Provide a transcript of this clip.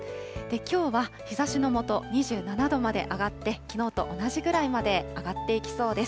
きょうは日ざしの下、２７度まで上がって、きのうと同じぐらいまで上がっていきそうです。